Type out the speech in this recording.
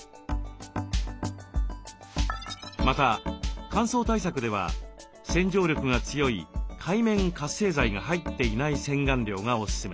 また乾燥対策では洗浄力が強い界面活性剤が入っていない洗顔料がオススメです。